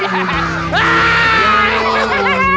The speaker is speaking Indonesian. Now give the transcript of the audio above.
iya bapak mau sedulur ya